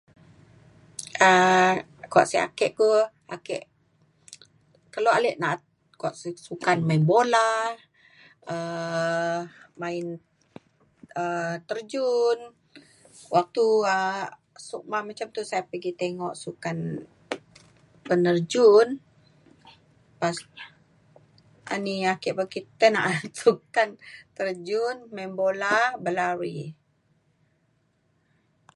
um kuak sek ake ku ake kelo ale na’at kuak sukan main bola um main um terjun waktu um SUKMA macam tu saya pergi tengok sukan penerjun pas- ani ake tai na’at sukan terjun main bola berlari